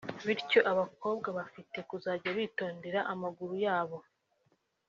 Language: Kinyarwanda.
Bityo abakobwa bafite kuzanjya bitondera amaguru yabo